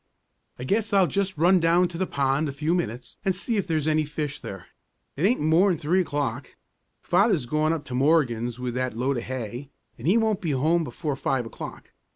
"I guess I'll just run down to the pond a few minutes, and see if there's any fish there. It aint more'n three o'clock; Father's gone up to Morgan's with that load of hay, and he won't be home before five o'clock.